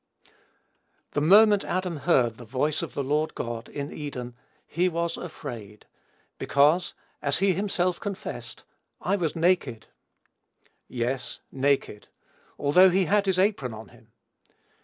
The moment Adam heard the voice of the Lord God, in Eden, "he was afraid," because, as he himself confessed, "I was naked." Yes, naked, although he had his apron on him.